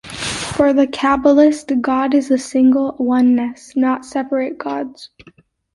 For the Kabbalist, God is a single oneness, not separate "gods".